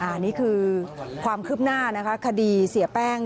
อันนี้คือความคืบหน้านะคะคดีเสียแป้ง